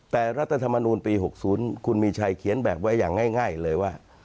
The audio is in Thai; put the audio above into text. แต่รัฐธรรมนูลปี๖๐คุณมีชัยเขียนแบบไว้อย่างง่ายเลยว่า